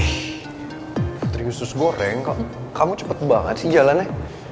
ih putri kustus goreng kamu cepet banget sih jalannya